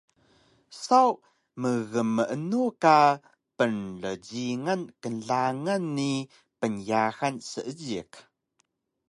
Saw mgmeenu ka pnrjingan knglangan ni pnyahan seejiq